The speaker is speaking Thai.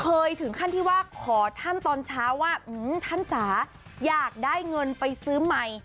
ถึงขั้นที่ว่าขอท่านตอนเช้าว่าท่านจ๋าอยากได้เงินไปซื้อใหม่